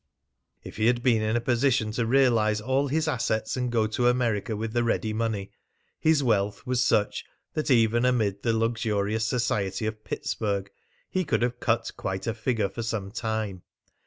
If he had been in a position to realise all his assets and go to America with the ready money, his wealth was such that even amid the luxurious society of Pittsburg he could have cut quite a figure for some time.